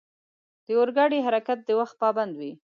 د اورګاډي حرکت د وخت پابند وي.